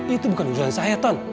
itu bukan urusan saya ton